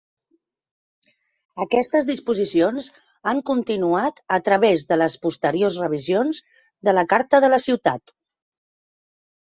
Aquestes disposicions han continuat a través de les posteriors revisions de la carta de la ciutat.